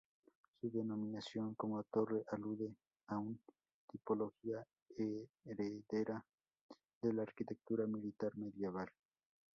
Su denominación como torre alude a una tipología heredera de la arquitectura militar medieval.